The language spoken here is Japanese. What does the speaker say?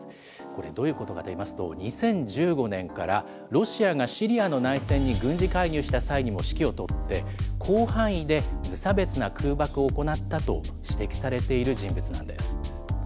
これ、どういうことかといいますと、２０１５年から、ロシアがシリアの内戦に軍事介入した際にも指揮を執って、広範囲で無差別な空爆を行ったと指摘されている人物なんです。